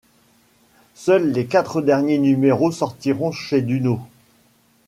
Seuls les quatre derniers numéros sortirons chez Dunod.